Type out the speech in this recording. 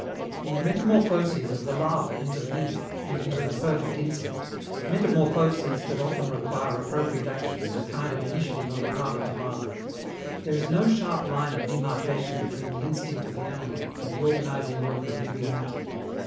In the metamorphoses of the larva into the nymph and into the perfect insect, metamorphoses that often require appropriate action and a kind of initiative on the part of the larva, there is no sharp line of demarcation between the instinct of the animal and the organizing work of living matter.